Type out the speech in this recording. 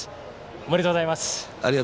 ありがとうございます。